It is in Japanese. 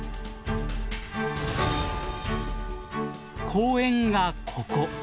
公園がここ。